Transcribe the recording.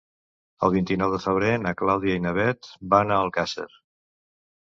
El vint-i-nou de febrer na Clàudia i na Bet van a Alcàsser.